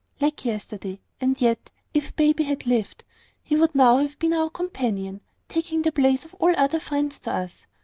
"Like yesterday: and yet, if baby had lived, he would now have been our companion, taking the place of all other friends to us.